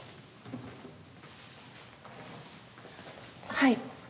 はい。